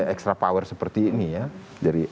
ekstra power seperti ini ya